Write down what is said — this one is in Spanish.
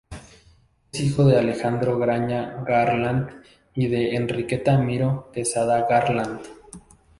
Es hijo de Alejandro Graña Garland y de Enriqueta Miró Quesada Garland.